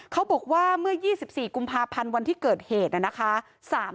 เขาบอกว่าเมื่อยี่สิบสี่กพพันธุ์วันที่เกิดเหตุอ่ะนะคะสาม